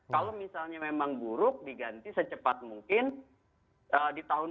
kalau misalnya memang buruk diganti secepat mungkin di tahun dua ribu dua puluh